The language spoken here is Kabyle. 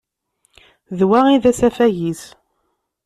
D wa i d asafag-is.